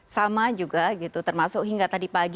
sama juga gitu termasuk hingga tadi pagi